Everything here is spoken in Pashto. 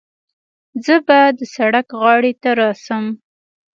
زه به د سړک غاړې ته راسم.